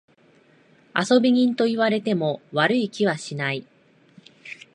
遊び人と言われても悪い気はしない。